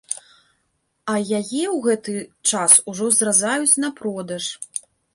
А яе ў гэты час ужо зразаюць на продаж!